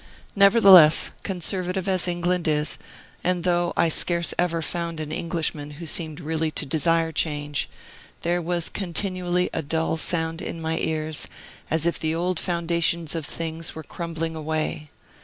Nevertheless, conservative as England is, and though I scarce ever found an Englishman who seemed really to desire change, there was continually a dull sound in my ears as if the old foundations of things were crumbling away.